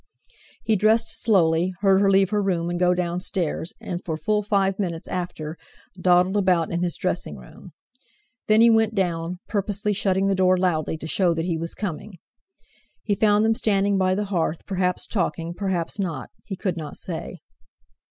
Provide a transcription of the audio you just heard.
He dressed slowly, heard her leave her room and go downstairs, and, for full five minutes after, dawdled about in his dressing room. Then he went down, purposely shutting the door loudly to show that he was coming. He found them standing by the hearth, perhaps talking, perhaps not; he could not say.